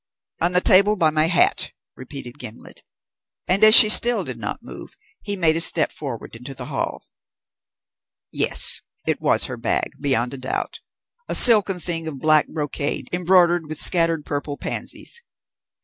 "On the table by my hat," repeated Gimblet; and as she still did not move, he made a step forward into the hall. Yes, it was her bag, beyond a doubt. A silken thing of black brocade, embroidered with scattered purple pansies.